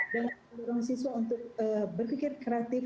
dan mengurangkan siswa untuk berpikir kreatif